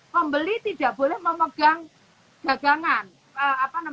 pembeli tidak boleh memegang dagangan